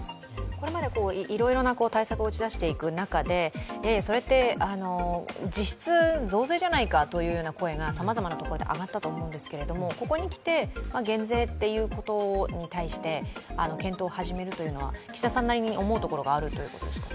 これまでいろいろな対策を打ち出していく中で、それって実質、増税じゃないかという声がさまざまなな所で上がったと思いますがここにきて、減税ということに対して検討を始めるというのは岸田さんなりに思うところがあるっていうことですか？